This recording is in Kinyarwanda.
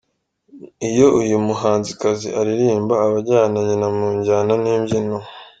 Iyo uyu muhanzikazi aririmba, aba ajyana na nyina mu njyana n'imbyino.